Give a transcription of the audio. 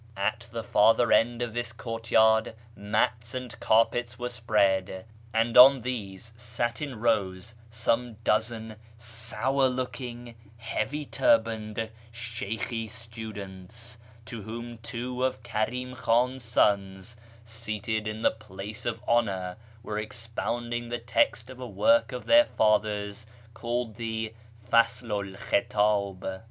At the fartlier end of this courtyard mats and carpets were spread, and on these sat in rows some dozen sour looking, heavy turbaned Sheykhi students, to whom two of Kari'm Khiin's sons, seated in the place of honour, were expounding the text of a work of their father's called the Faslu 'l KhiUib.